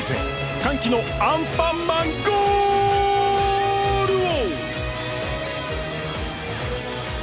歓喜のアンパンマンゴールを！